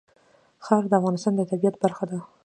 خاوره د افغانستان د طبیعت برخه ده.